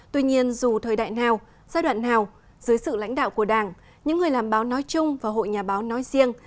tuy nhiên dù thời đại nào giai đoạn nào dưới sự lãnh đạo của đảng những người làm báo nói chung và hội nhà báo nói riêng